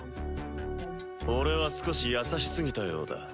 俺は少し優しすぎたようだ。